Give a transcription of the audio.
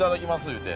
言うて。